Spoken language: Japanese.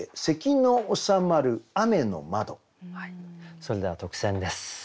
それでは特選です。